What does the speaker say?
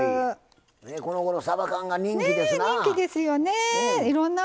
このごろさば缶が人気ですな。